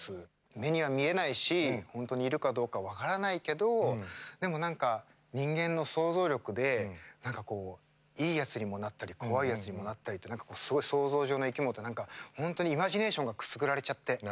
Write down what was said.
目には見えないし本当にいるかどうか分からないけどでも何か人間の想像力で何かこういいやつにもなったり怖いやつにもなったりって何かすごい想像上の生き物って何か本当にイマジネーションがくすぐられちゃって。